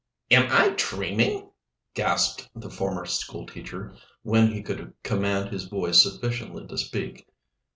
"Am I dreaming?" gasped the former school teacher, when he could command his voice sufficiently to speak.